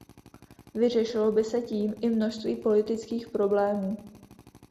Vyřešilo by se tím i množství politických problémů.